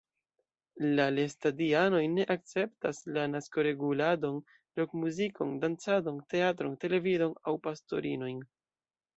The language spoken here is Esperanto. La lestadianoj ne akceptas la naskoreguladon, rok-muzikon, dancadon, teatron, televidon aŭ pastorinojn.